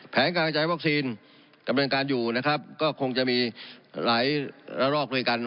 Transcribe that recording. แผงการการจ่ายวอคซีนกับปริมาณการอยู่นะครับก็คงจะมีหรายระรอกด้วยกัน